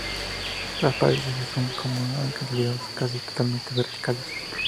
Las paredes de esta son como acantilados, casi totalmente verticales.